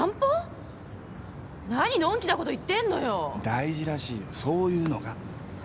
大事らしいよそういうのが。